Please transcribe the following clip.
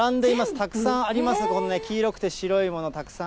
たくさんあります、黄色くて白いもの、たくさん。